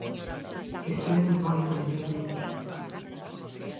Estiven en Boiro e lembreime de ti.